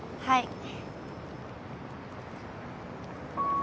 はい。